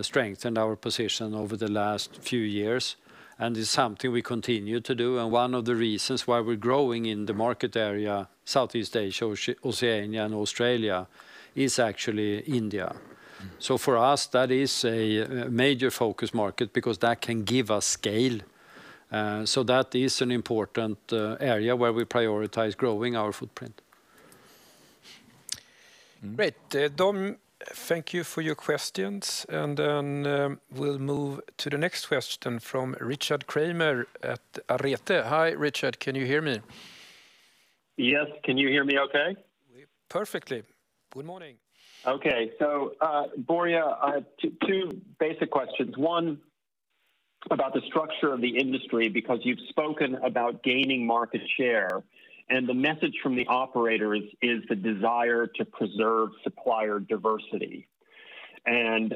strengthened our position over the last few years, and it's something we continue to do. One of the reasons why we're growing in the market area, Southeast Asia, Oceania, and Australia, is actually India. For us, that is a major focus market because that can give us scale. That is an important area where we prioritize growing our footprint. Great. Dom, thank you for your questions, and then we'll move to the next question from Richard Kramer at Arete. Hi, Richard, can you hear me? Yes. Can you hear me okay? Perfectly. Good morning. Okay. Börje, two basic questions. One, about the structure of the industry, because you've spoken about gaining market share, and the message from the operator is the desire to preserve supplier diversity.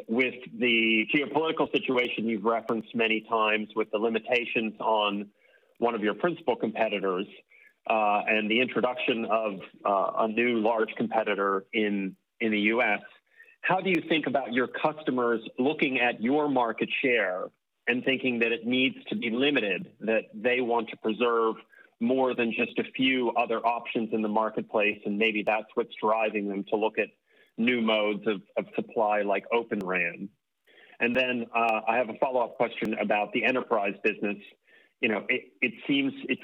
With the geopolitical situation you've referenced many times with the limitations on one of your principal competitors, and the introduction of a new large competitor in the U.S., how do you think about your customers looking at your market share and thinking that it needs to be limited, that they want to preserve more than just a few other options in the marketplace, and maybe that's what's driving them to look at new modes of supply like Open RAN? I have a follow-up question about the enterprise business. It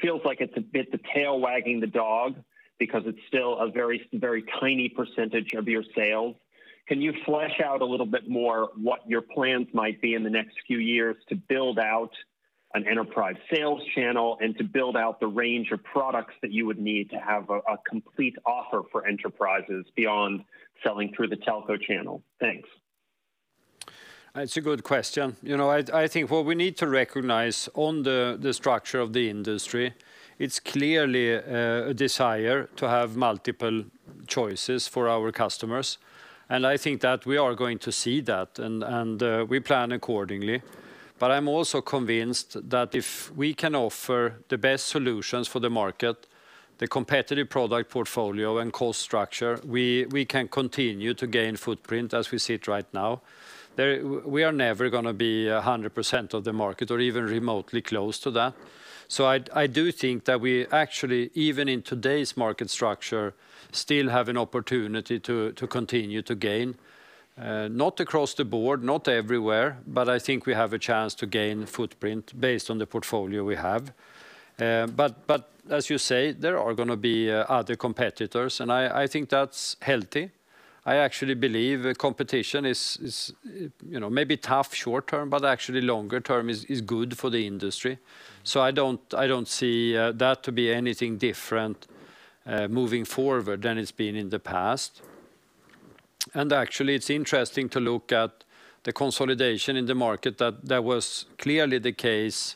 feels like it's a bit the tail wagging the dog because it's still a very tiny percentage of your sales. Can you flesh out a little bit more what your plans might be in the next few years to build out an enterprise sales channel and to build out the range of products that you would need to have a complete offer for enterprises beyond selling through the telco channel. Thanks. That's a good question. I think what we need to recognize on the structure of the industry, it's clearly a desire to have multiple choices for our customers, and I think that we are going to see that, and we plan accordingly. I'm also convinced that if we can offer the best solutions for the market, the competitive product portfolio, and cost structure, we can continue to gain footprint as we sit right now. We are never going to be 100% of the market or even remotely close to that. I do think that we actually, even in today's market structure, still have an opportunity to continue to gain. Not across the board, not everywhere, but I think we have a chance to gain footprint based on the portfolio we have. As you say, there are going to be other competitors, and I think that's healthy. I actually believe competition is maybe tough short-term, but actually longer term is good for the industry. I don't see that to be anything different moving forward than it's been in the past. Actually, it's interesting to look at the consolidation in the market that that was clearly the case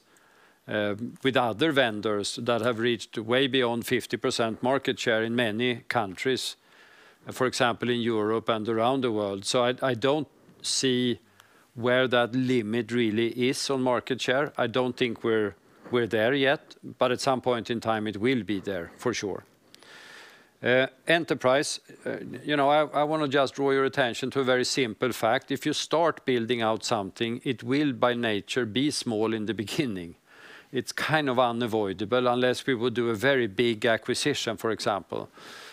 with other vendors that have reached way beyond 50% market share in many countries. For example, in Europe and around the world. I don't see where that limit really is on market share. I don't think we're there yet, at some point in time, it will be there for sure. Enterprise, I want to just draw your attention to a very simple fact. If you start building out something, it will by nature be small in the beginning. It's kind of unavoidable, unless we would do a very big acquisition, for example.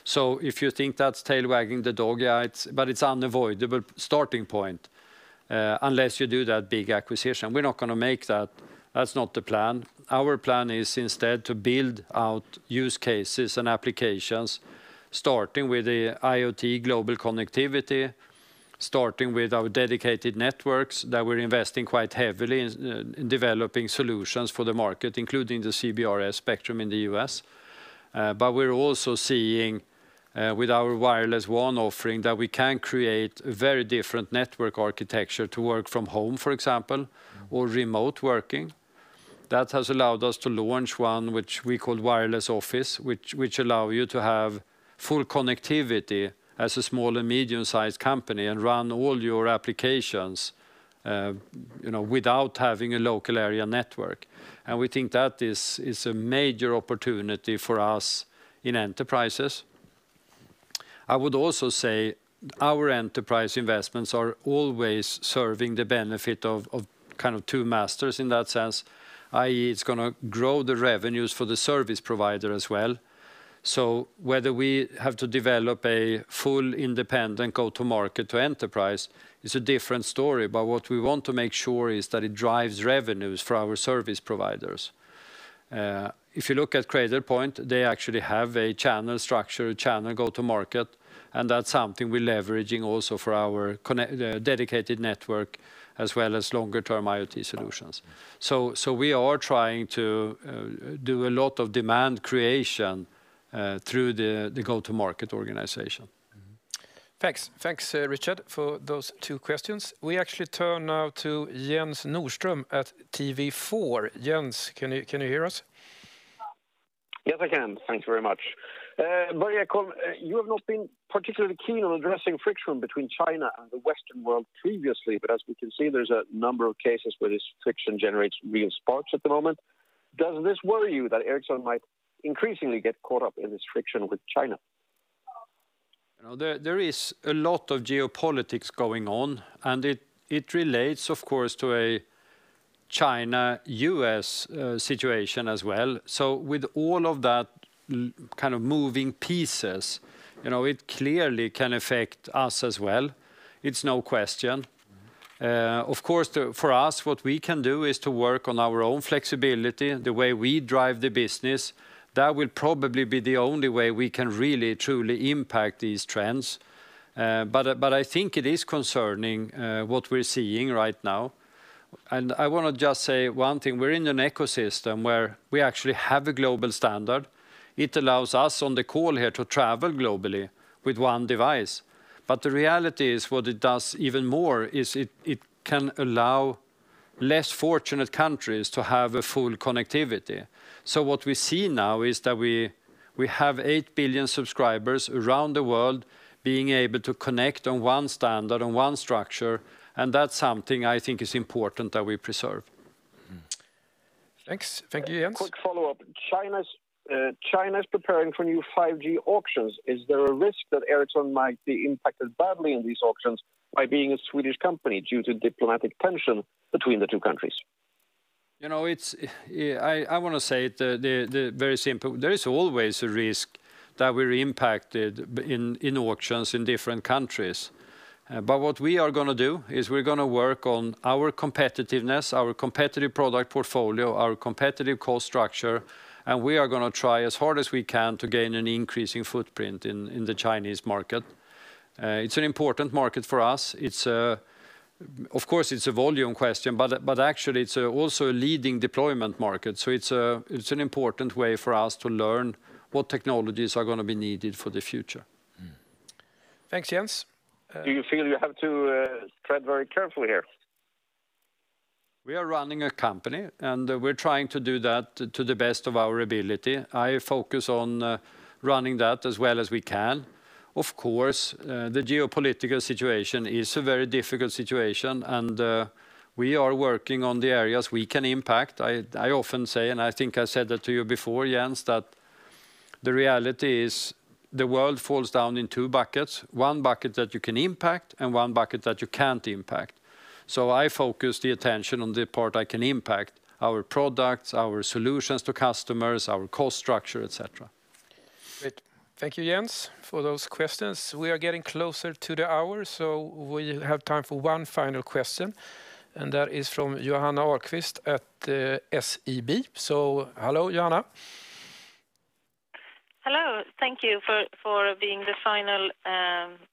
If you think that's tail wagging the dog, yeah. It's unavoidable starting point, unless you do that big acquisition. We're not going to make that. That's not the plan. Our plan is instead to build out use cases and applications, starting with the IoT global connectivity, starting with our dedicated networks that we're investing quite heavily in developing solutions for the market, including the CBRS spectrum in the U.S. We're also seeing with our Wireless WAN offering that we can create a very different network architecture to work from home, for example, or remote working. That has allowed us to launch one which we call Wireless Office, which allow you to have full connectivity as a small and medium-sized company and run all your applications without having a local area network. We think that is a major opportunity for us in enterprises. I would also say our enterprise investments are always serving the benefit of two masters in that sense, i.e., it's going to grow the revenues for the service provider as well. Whether we have to develop a full independent go-to-market to enterprise is a different story. What we want to make sure is that it drives revenues for our service providers. If you look at Cradlepoint, they actually have a channel structure, a channel go-to-market, and that's something we're leveraging also for our dedicated network as well as longer term IoT solutions. We are trying to do a lot of demand creation through the go-to-market organization. Mm-hmm. Thanks, Richard, for those two questions. We actually turn now to Jens Nordström at TV4. Jens, can you hear us? Yes, I can. Thank you very much. Börje Ekholm, you have not been particularly keen on addressing friction between China and the Western world previously, but as we can see, there's a number of cases where this friction generates real sparks at the moment. Does this worry you that Ericsson might increasingly get caught up in this friction with China? There is a lot of geopolitics going on, and it relates of course, to a China-U.S. situation as well. With all of that moving pieces, it clearly can affect us as well. It's no question. Of course, for us, what we can do is to work on our own flexibility, the way we drive the business. That will probably be the only way we can really truly impact these trends. I think it is concerning what we're seeing right now. I want to just say one thing. We're in an ecosystem where we actually have a global standard. It allows us on the call here to travel globally with one device. The reality is what it does even more is it can allow less fortunate countries to have a full connectivity. What we see now is that we have 8 billion subscribers around the world being able to connect on one standard, on one structure, and that's something I think is important that we preserve. Mm-hmm. Thanks. Thank you, Jens. Quick follow-up. China's preparing for new 5G auctions. Is there a risk that Ericsson might be impacted badly in these auctions by being a Swedish company due to diplomatic tension between the two countries? I want to say it very simple. There is always a risk that we're impacted in auctions in different countries. What we are going to do is we're going to work on our competitiveness, our competitive product portfolio, our competitive cost structure, and we are going to try as hard as we can to gain an increasing footprint in the Chinese market. It's an important market for us. Of course, it's a volume question, but actually it's also a leading deployment market. It's an important way for us to learn what technologies are going to be needed for the future. Mm-hmm. Thanks, Jens. Do you feel you have to tread very carefully here? We are running a company, and we're trying to do that to the best of our ability. I focus on running that as well as we can. Of course, the geopolitical situation is a very difficult situation, and we are working on the areas we can impact. I often say, and I think I said that to you before, Jens, that the reality is the world falls down in two buckets, one bucket that you can impact and one bucket that you can't impact. I focus the attention on the part I can impact: our products, our solutions to customers, our cost structure, et cetera. Great. Thank you, Jens, for those questions. We are getting closer to the hour, so we have time for one final question, and that is from Johanna Ahlqvist at SEB. Hello, Johanna. Hello. Thank you for being the final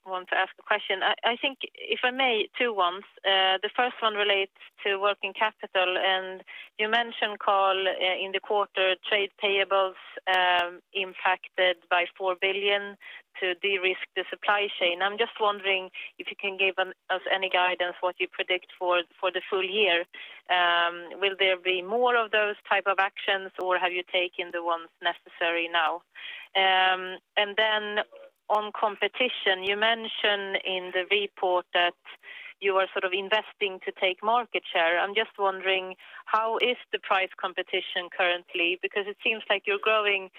one to ask a question. I think if I may, two ones. The first one relates to working capital. You mentioned, Carl, in the quarter, trade payables impacted by 4 billion to de-risk the supply chain. I'm just wondering if you can give us any guidance what you predict for the full year. Will there be more of those type of actions, or have you taken the ones necessary now? On competition, you mention in the report that you are sort of investing to take market share. I'm just wondering, how is the price competition currently? Because it seems like you're growing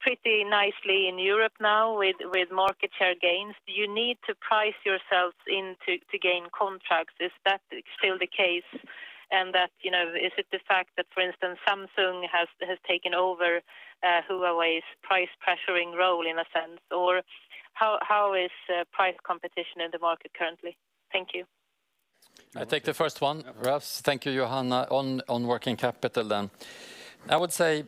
pretty nicely in Europe now with market share gains. Do you need to price yourselves in to gain contracts? Is that still the case? Is it the fact that, for instance, Samsung has taken over Huawei's price-pressuring role in a sense, or how is price competition in the market currently? Thank you. I'll take the first one. Thank you, Johanna. On working capital. I would say,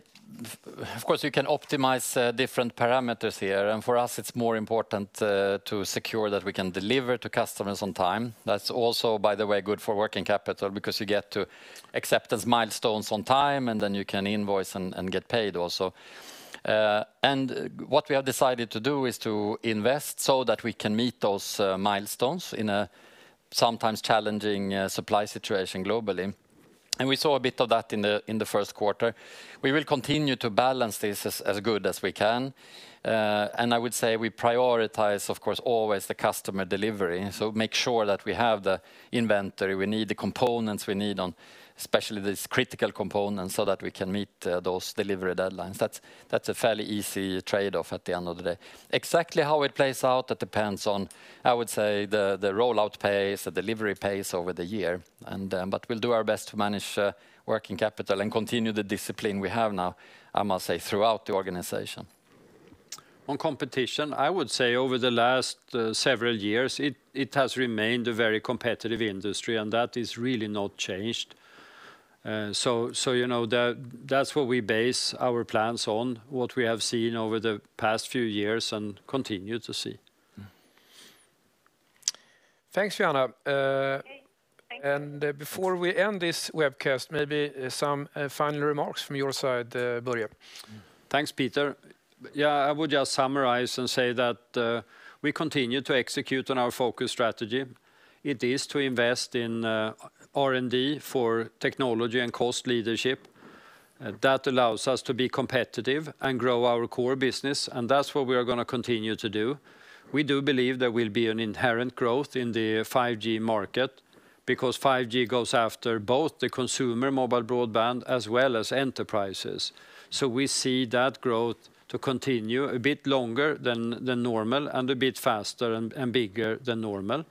of course, you can optimize different parameters here. For us, it's more important to secure that we can deliver to customers on time. That's also, by the way, good for working capital because you get to acceptance milestones on time, and then you can invoice and get paid also. What we have decided to do is to invest so that we can meet those milestones in a sometimes challenging supply situation globally. We saw a bit of that in the first quarter. We will continue to balance this as good as we can. I would say we prioritize, of course, always the customer delivery. Make sure that we have the inventory we need, the components we need on, especially these critical components, so that we can meet those delivery deadlines. That's a fairly easy trade-off at the end of the day. Exactly how it plays out, that depends on, I would say, the rollout pace, the delivery pace over the year. We'll do our best to manage working capital and continue the discipline we have now, I must say, throughout the organization. On competition, I would say over the last several years, it has remained a very competitive industry, and that is really not changed. That's what we base our plans on, what we have seen over the past few years and continue to see. Thanks, Johanna. Okay. Thank you. Before we end this webcast, maybe some final remarks from your side, Börje. Thanks, Peter. Yeah, I would just summarize and say that we continue to execute on our focus strategy. It is to invest in R&D for technology and cost leadership. That allows us to be competitive and grow our core business, and that's what we are going to continue to do. We do believe there will be an inherent growth in the 5G market because 5G goes after both the consumer mobile broadband as well as enterprises. We see that growth to continue a bit longer than normal and a bit faster and bigger than normal.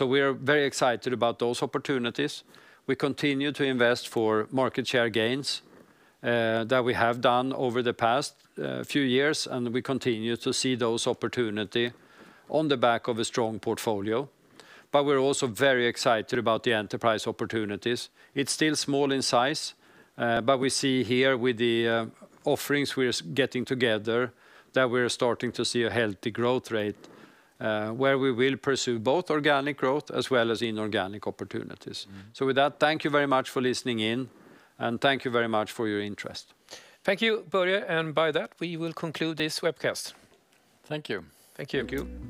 We are very excited about those opportunities. We continue to invest for market share gains that we have done over the past few years, and we continue to see those opportunity on the back of a strong portfolio. We're also very excited about the enterprise opportunities. It's still small in size, but we see here with the offerings we're getting together that we're starting to see a healthy growth rate where we will pursue both organic growth as well as inorganic opportunities. With that, thank you very much for listening in, and thank you very much for your interest. Thank you, Börje, and by that, we will conclude this webcast. Thank you. Thank you. Thank you.